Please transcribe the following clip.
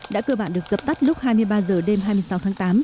đã cơ bản được dập tắt lúc hai mươi ba h đêm hai mươi sáu tháng tám